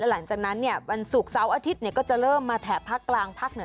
หลังจากนั้นวันศุกร์เสาร์อาทิตย์ก็จะเริ่มมาแถบภาคกลางภาคเหนือ